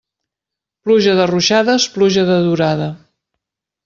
Pluja de ruixades, pluja de durada.